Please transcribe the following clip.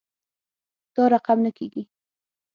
دا رقم نه کیږي